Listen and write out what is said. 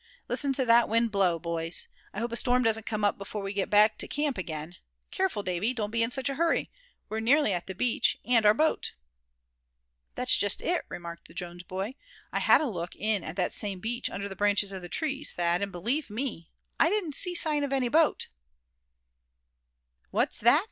Listen to that wind blow, boys? I hope a storm doesn't come up before we get back to camp again. Careful, Davy, don't be in such a hurry; we're nearly at the beach, and our boat." "That's just it," remarked the Jones boy; "I had a look in at that same beach under the branches of the trees, Thad; and believe me, I didn't see a sign of any boat!" "What's that?"